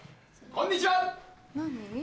こんにちは。